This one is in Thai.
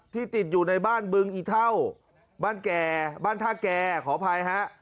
ติดอยู่ในบ้านบึงอีเท่าบ้านแก่บ้านท่าแก่ขออภัยฮะ